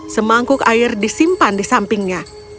semangkuk air disimpan di sampingnya